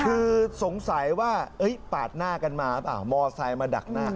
คือสงสัยว่าปาดหน้ากันมาหรือเปล่ามอไซค์มาดักหน้า